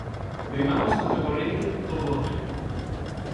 Remamos contracorrente todo o tempo.